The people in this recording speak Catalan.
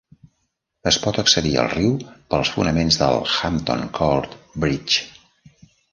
Es pot accedir al riu pels fonaments del Hampton Court Bridge.